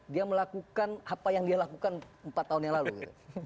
dia melakukan apa yang dia lakukan empat tahun yang lalu gitu